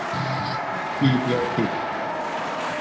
ทีเดียวติด